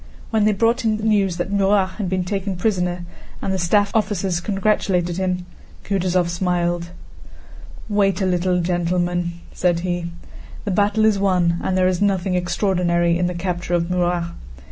When they brought him news that Murat had been taken prisoner, and the staff officers congratulated him, Kutúzov smiled. "Wait a little, gentlemen," said he. "The battle is won, and there is nothing extraordinary in the capture of Murat.